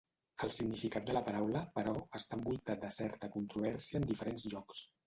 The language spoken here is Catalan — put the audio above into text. El significat de la paraula, però, està envoltat de certa controvèrsia en diferents llocs.